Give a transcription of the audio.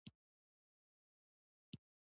د بیت الله شریف په څنګ کې نفل وکړ.